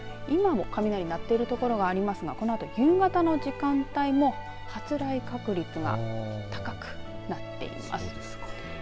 今も雷、鳴っている所がありますがこのあと夕方の時間帯も発雷確率が高くなっています。